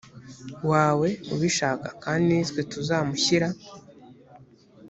wawe ubishaka kandi ni twe tuzamushyira